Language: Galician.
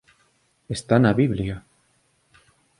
Está na Biblia